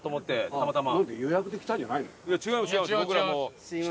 たまたま。